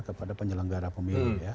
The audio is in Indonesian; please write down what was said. kepada penyelenggara pemilu